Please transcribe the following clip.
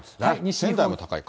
仙台も高いか。